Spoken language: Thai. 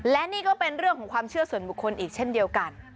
และนี่ก็เป็นเรื่องของความเชื่อส่วนบุคคลอีกเช่นเดียวกัน